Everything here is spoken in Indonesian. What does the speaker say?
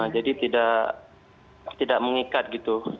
jadi tidak mengikat gitu